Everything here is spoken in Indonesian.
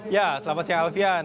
ya selamat siang alfian